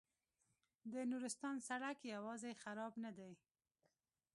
د نورستان سړک یوازې خراب نه دی.